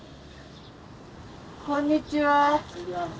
こんにちは。